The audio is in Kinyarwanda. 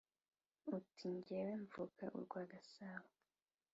Uti: Jyewe mvuka u rwa Gasabo